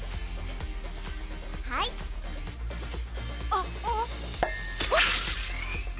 はいあっほっ！